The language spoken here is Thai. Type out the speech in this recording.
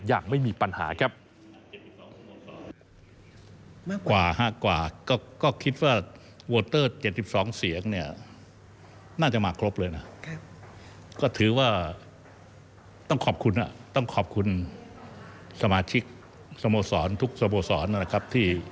อย่างไม่มีปัญหาครับ